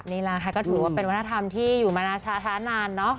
นี่แหละค่ะก็ถือว่าเป็นวัฒนธรรมที่อยู่มานาช้านานเนอะ